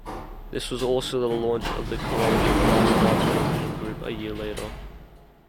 This was also the launch of the Columbia TriStar Television Group a year later.